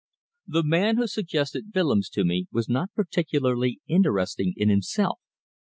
The man who suggested Willems to me was not particularly interesting in himself.